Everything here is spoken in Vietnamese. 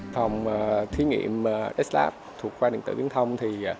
phòng thí nghiệm slab thuộc khoa điện tử viễn thông